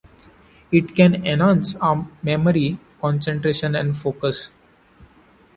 It can enhance our memory, concentration, and focus.